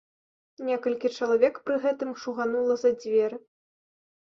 Некалькі чалавек пры гэтым шуганула за дзверы.